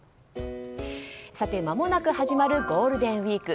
まもなく始まるゴールデンウィーク。